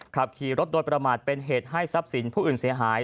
ขับขี่รถโดยประมาทเป็นเหตุให้ทรัพย์สินผู้อื่นเสียหาย